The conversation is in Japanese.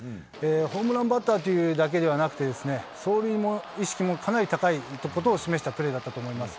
ホームランバッターというだけではなくて、走塁の意識もかなり高いことを示したプレーだったと思います。